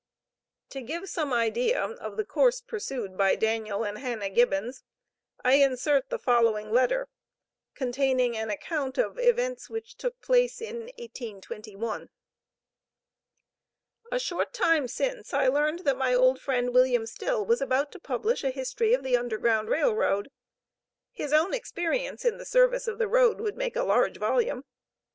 To give some idea of the course pursued by Daniel and Hannah Gibbons, I insert the following letter, containing an account of events which took place in 1821: "A short time since, I learned that my old friend, William Still, was about to publish a history of the Underground Rail Road. His own experience in the service of this road would make a large volume.